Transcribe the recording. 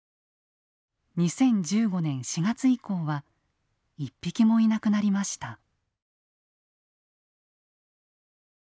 ２０１５年４月以降は一匹もいなくなりました。